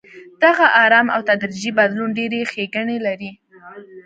دغه ارام او تدریجي بدلون ډېرې ښېګڼې لري.